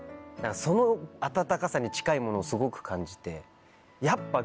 その温かさに近いものをすごく感じて。